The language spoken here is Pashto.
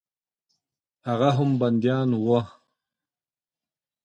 هغه هم بندیان وه.